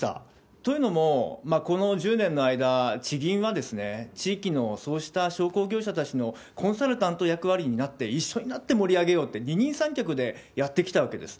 というのも、この１０年の間、地銀は地域のそうした商工業者たちのコンサルタント役割になって、一緒になって盛り上げようって、二人三脚でやってきたわけです。